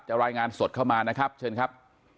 รายงานสดเข้ามานะครับเชิญครับ